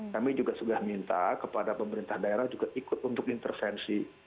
kami juga sudah minta kepada pemerintah daerah juga ikut untuk intervensi